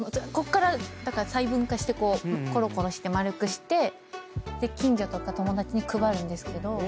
こっからだから細分化してころころして丸くして近所とか友達に配るんですけど。